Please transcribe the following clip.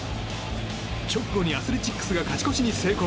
直後にアスレチックスが勝ち越しに成功。